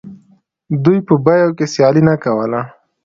دوی په بیو کې سیالي نه کوله